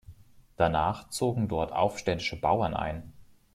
Danach zogen dort aufständische Bauern ein.